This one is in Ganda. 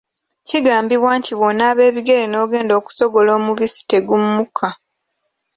Kigambibwa nti bw’onaaba ebigere ng’ogenda okusogola omubisi tegummuka.